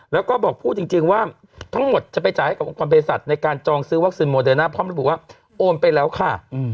แล้วก็บอกพูดจริงว่าทั้งหมดจะไปจ่ายให้กับองค์กรเพศัตว์ในการจองซื้อวัคซีนโมเดอร์น่าพร้อมระบุว่าโอนไปแล้วค่ะ